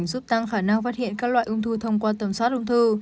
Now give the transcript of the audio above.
giúp tăng khả năng phát hiện các loại ông thư thông qua tầm soát ông thư